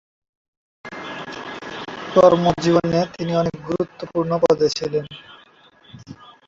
কর্মজীবনে তিনি অনেক গুরুত্বপূর্ণ পদে ছিলেন।